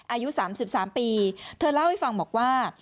อายุ๓๓ปีเธอเล่าให้ฟังบอกว่า